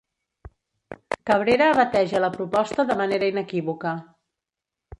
Cabrera bateja la proposta de manera inequívoca.